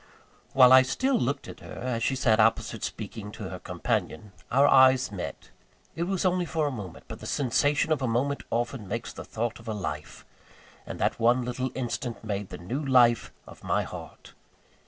While I still looked at her, as she sat opposite speaking to her companion, our eyes met. It was only for a moment but the sensation of a moment often makes the thought of a life; and that one little instant made the new life of my heart.